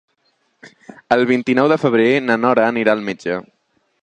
El vint-i-nou de febrer na Nora anirà al metge.